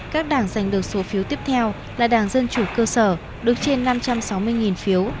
các đảng giành được số phiếu tiếp theo là đảng dân chủ cơ sở được trên năm trăm sáu mươi phiếu